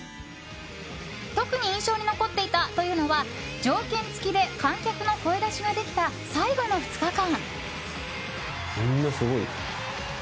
特に印象に残っていたというのは条件付きで観客の声出しができた最後の２日間。